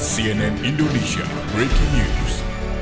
cnn indonesia breaking news